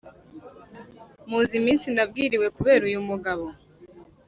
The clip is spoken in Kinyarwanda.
muzi iminsi nabwiriwe kubera uyu mugabo,